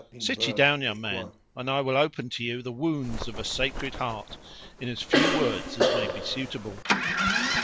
Sit ye down, young man, and I will open to you the wounds of a seared heart, in as few words as may be suitable."